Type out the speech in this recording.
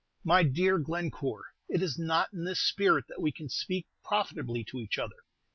"My dear Glencore, it is not in this spirit that we can speak profitably to each other.